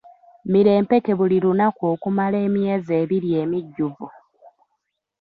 Mira empeke buli lunaku okumala emyezi ebiri emijjuvu.